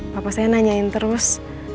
papa saya nanyain terus